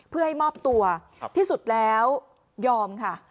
เพื่อให้มอบตัวที่สุดแล้วยอมค่ะ